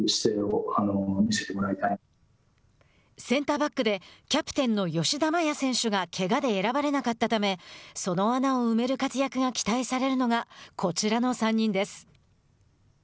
センターバックでキャプテンの吉田麻也選手がけがで選ばれなかったためその穴を埋める活躍が期待されるのがこちらの３人です。